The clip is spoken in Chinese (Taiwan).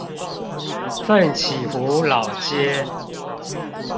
奮起湖老街